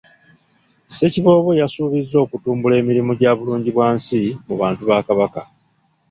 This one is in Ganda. Ssekiboobo yasuubizza okutumbula emirimu gya bulungibwansi mu bantu ba Kabaka.